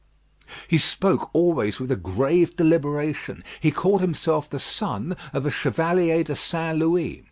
He spoke always with a grave deliberation; he called himself the son of a Chevalier de Saint Louis.